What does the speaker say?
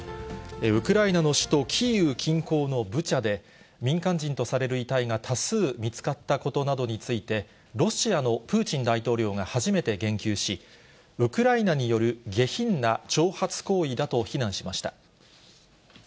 ウクライナの首都キーウ近郊のブチャで、民間人とされる遺体が多数見つかったことなどについて、ロシアのプーチン大統領が初めて言及し、ウクライナによる下品な挑発行為だと非難しました。